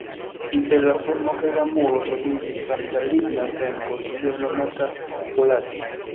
Inter la forno kaj la muro troviĝis larĝa ligna benko, tiel nomata "polati".